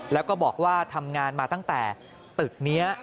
แล้วก็บอกว่าทำงานมาตั้งแต่ตึกนี้